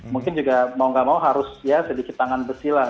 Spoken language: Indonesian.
mungkin juga mau gak mau harus ya sedikit tangan besi lah